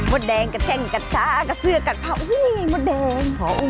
มัดแดงกับแจ้งกับจ้ากับเสือกับเผามัดแดง